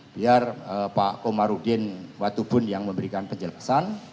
biar pak komarudin watubun yang memberikan penjelasan